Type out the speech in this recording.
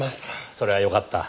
それはよかった。